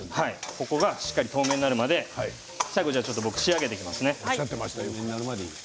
これがしっかり透明になるまで僕が仕上げていきますね